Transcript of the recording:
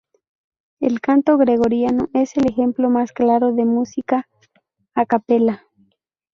El canto gregoriano es el ejemplo más claro de música a capela.